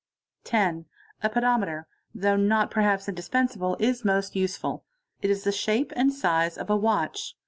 10. A pedometer, though not perhaps indispensible, is most useful it is the shape and size of a watch.